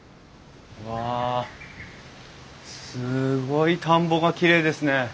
わあすごい田んぼがきれいですね。